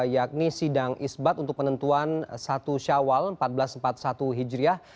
yakni sidang isbat untuk penentuan satu syawal seribu empat ratus empat puluh satu hijriah